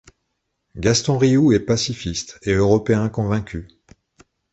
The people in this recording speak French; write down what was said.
Gaston Riou est pacifiste et européen convaincu.